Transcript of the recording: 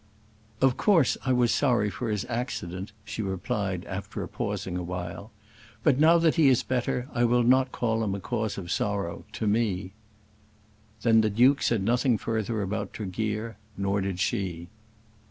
"Of course I was sorry for his accident," she replied, after pausing awhile; "but now that he is better I will not call him a cause of sorrow to me." Then the Duke said nothing further about Tregear; nor did she.